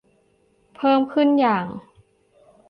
เพิ่มขึ้นอย่าง